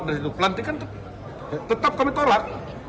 pelantikan tetap kami tolak